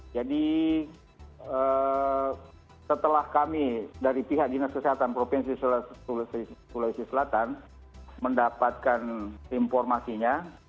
setelah kami dari pihak dinas kesehatan provinsi sulawesi selatan mendapatkan informasinya